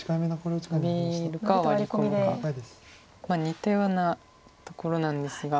似たようなところなんですが。